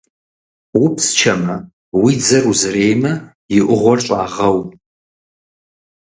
Упсчэмэ, уи дзэр узреймэ, и ӏугъуэр щӏагъэу.